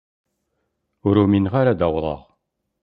Ur umineɣ ara ad d-awḍeɣ.